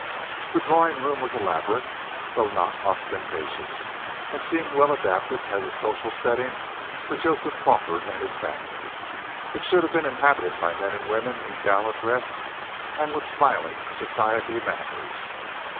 The drawing room was elaborate, though not ostentatious, and seemed well adapted as a social setting for Joseph Crawford and his family. It should have been inhabited by men and women in gala dress and with smiling society manners.